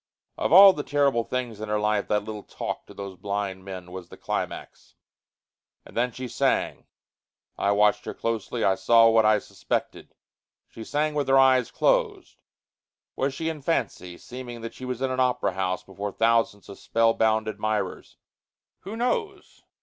Of all the terrible things in her life that little talk to those blind men was the climax. And then she sang. I watched her closely, and I saw what I suspected. She sang with her eyes closed. Was she in fancy seeming that she was in an opera house before thousands of spellbound admirers? Who knows?